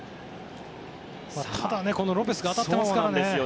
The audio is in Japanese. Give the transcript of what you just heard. ただ、ロペスが当たっていますからね。